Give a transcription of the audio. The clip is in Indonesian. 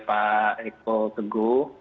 pak eko teguh